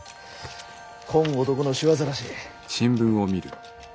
こん男の仕業らしい。